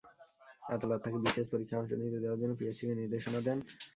আদালত তাঁকে বিসিএস পরীক্ষায় অংশ নিতে দেওয়ার জন্য পিএসসিকে নির্দেশনা দেন।